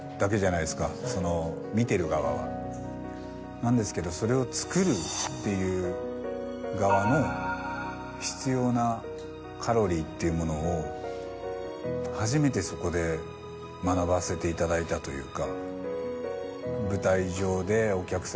なんですけどそれを作るっていう側の必要なカロリーっていうものを初めてそこで学ばせていただいたというか。